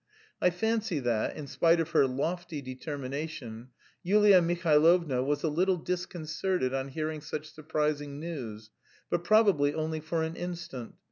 I fancy that, in spite of her lofty determination, Yulia Mihailovna was a little disconcerted on hearing such surprising news, but probably only for an instant.